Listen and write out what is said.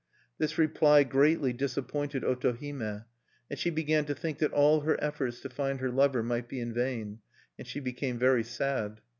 This reply greatly disappointed Otohime; and she began to think that all her efforts to find her lover might be in vain; and she became very sad.